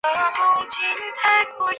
高端型号都在美国制造。